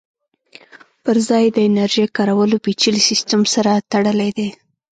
پرځای یې د انرژۍ کارولو پېچلي سیسټم سره تړلی دی